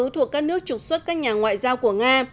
thuộc các nước trục xuất các nhà ngoại giao của nga